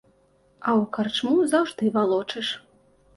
А ў карчму заўжды валочыш.